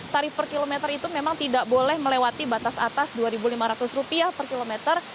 tarif per kilometer itu memang tidak boleh melewati batas atas rp dua lima ratus per kilometer